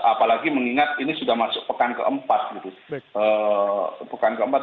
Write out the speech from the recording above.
apalagi mengingat ini sudah masuk pekan keempat gitu